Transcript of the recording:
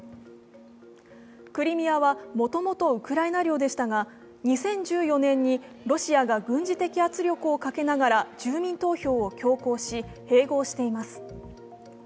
クリミアは、もともとウクライナ領でしたが２０１４年にロシアが軍事的圧力をかけながら住民投票を強行し併合しています。